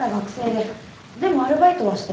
でもアルバイトはしてます。